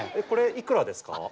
これいくらですか？